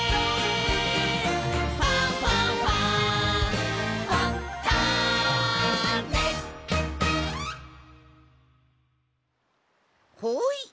「ファンファンファン」ほい！